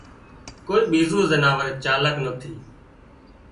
ڪوئي ٻيزُون زناور چالاڪ نٿي